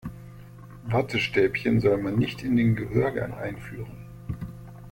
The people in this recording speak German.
Wattestäbchen soll man nicht in den Gehörgang einführen.